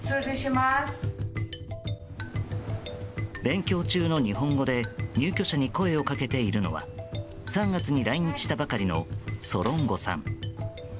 勉強中の日本語で入居者に声をかけているのは３月に来日したばかりのソロンゴさん。